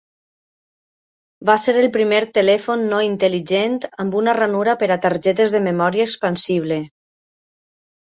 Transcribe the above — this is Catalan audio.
Va ser el primer telèfon no intel·ligent amb una ranura per a targetes de memòria expansible.